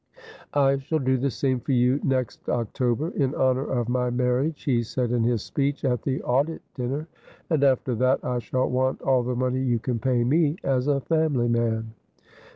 ' I shall do the same for you next October, in honour of my marriage,' he said in his speech at the audit dinner ;' and after that I shall want all the money you can pay me, as a family man.'